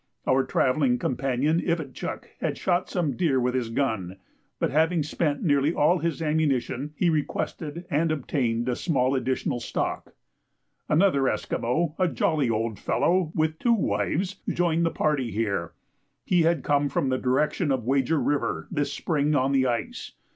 Our travelling companion Ivitchuk had shot some deer with his gun, but having spent nearly all his ammunition, he requested and obtained a small additional stock. Another Esquimaux, a jolly old fellow, with two wives, joined the party here; he had come from the direction of Wager River this spring on the ice.